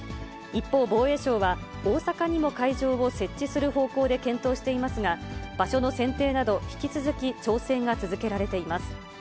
一方、防衛省は、大阪にも会場を設置する方向で検討していますが、場所の選定など、引き続き調整が続けられています。